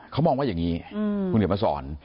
เขามองว่าอย่างนี้คุณเขียนมาสอน